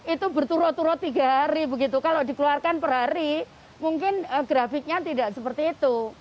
itu berturut turut tiga hari begitu kalau dikeluarkan per hari mungkin grafiknya tidak seperti itu